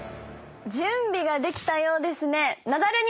準備ができたようですね。